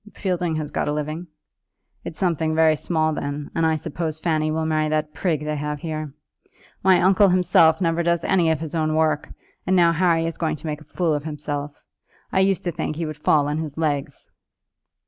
"Fielding has got a living." "It's something very small then, and I suppose Fanny will marry that prig they have here. My uncle himself never does any of his own work, and now Harry is going to make a fool of himself. I used to think he would fall on his legs."